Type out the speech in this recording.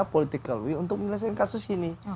political will untuk menilai kasus ini